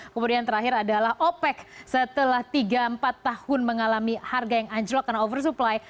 kemudian terakhir adalah opec setelah tiga empat tahun mengalami harga yang anjlok karena oversupply